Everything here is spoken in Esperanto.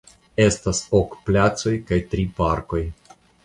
Estas ok placoj kaj tri parkoj.